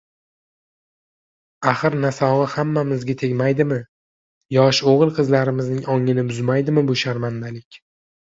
Axir, nasog`i hammamizga tegmaydimi, yosh o`g`il-qizlarimizning ongini buzmaydimi bu sharmandalik